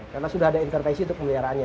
karena sudah ada intervensi untuk pemeliharaannya